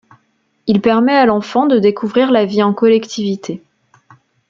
Il permet à l’enfant de découvrir la vie en collectivité.